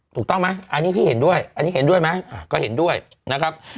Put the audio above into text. ถูกต้องไหมอันนี้พี่เห็นด้วยอันนี้เห็นด้วยไหมก็เห็นด้วยนะครับ